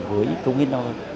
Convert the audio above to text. với công nghiên đoàn